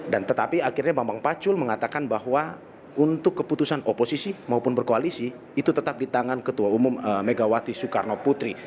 dan tetapi akhirnya bambang pacul mengatakan bahwa untuk keputusan oposisi maupun berkoalisi itu tetap di tangan ketua umum megawati soekarno putri